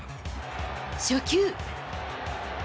初球。